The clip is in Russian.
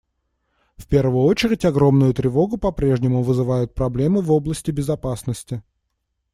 В первую очередь огромную тревогу попрежнему вызывают проблемы в области безопасности.